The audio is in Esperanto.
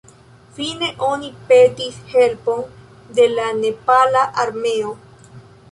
Fine, oni petis helpon de la Nepala Armeo.